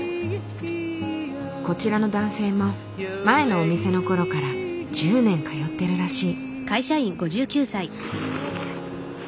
こちらの男性も前のお店の頃から１０年通ってるらしい。